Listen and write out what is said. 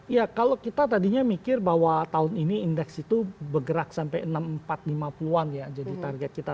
ya kalau kita tadinya mikir bahwa tahun ini indeks itu bergerak sampai enam ribu empat ratus lima puluh an ya jadi target kita